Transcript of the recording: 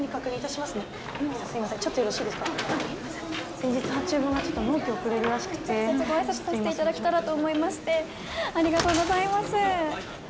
先日の発注分がちょっと納期遅れるらしくてご挨拶させていただけたらと思いましてありがとうございます